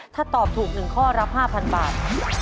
ถ้าตอบถูก๑ข้อรับ๕๐๐บาท